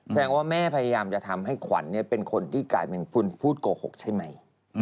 แสดงว่าแม่พยายามจะทำให้ขวัญเป็นคนที่กลายเป็นพูดโกหกใช่ไหม